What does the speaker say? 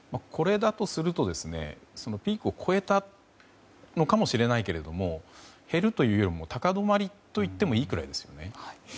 これだとするとピークを越えたのかもしれないけれども減るというよりも高止まりといってもいいくらいですよね。